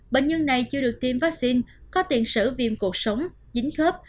bệnh nhân này chưa được tiêm vaccine có tiện sử viêm cuộc sống dính khớp